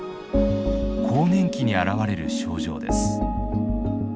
更年期に現れる症状です。